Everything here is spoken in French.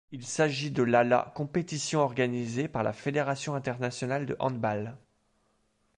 Il s’agit de la la compétition organisée par la Fédération internationale de handball.